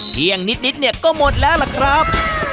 เที่ยงนิดเนี่ยก็หมดแล้วล่ะครับ